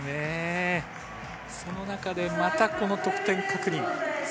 その中でまた得点確認。